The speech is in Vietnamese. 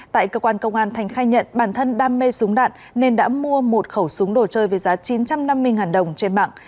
tại cơ quan công an thành khai nhận bản thân đam mê súng đạn nên đã mua một khẩu súng đồ chơi với giá chín trăm năm mươi đồng trên mạng